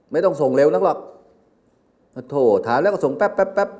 ไม่ต้องส่งเร็วนักหรอกโถถามแล้วก็ส่งแป๊บแป๊บแป๊บ